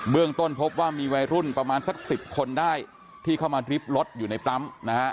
เรื่องต้นพบว่ามีวัยรุ่นประมาณสัก๑๐คนได้ที่เข้ามาทริปรถอยู่ในปั๊มนะฮะ